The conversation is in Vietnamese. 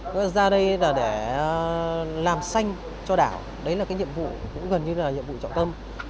ra đây là để làm xanh cho đảo đấy là cái nhiệm vụ cũng gần như là nhiệm vụ trọng tâm